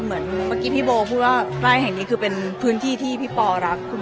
เหมือนเมื่อกี้พี่โบพูดว่าป้ายแห่งนี้คือเป็นพื้นที่ที่พี่ปอรักคุณพ่อ